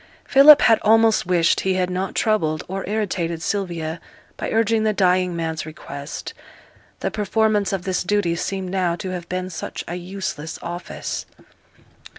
Philip had almost wished he had not troubled or irritated Sylvia by urging the dying man's request: the performance of this duty seemed now to have been such a useless office.